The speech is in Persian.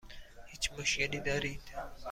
هیچ مشکلی دارید؟